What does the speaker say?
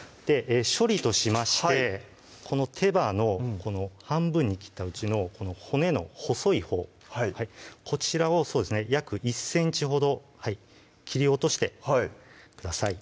処理としましてこの手羽の半分に切ったうちのこの骨の細いほうこちらをそうですね約１ｃｍほど切り落としてください